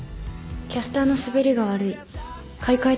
キャスターの滑りが悪い。